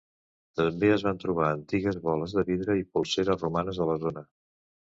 També es van trobar antigues boles de vidre i polseres romanes a la zona.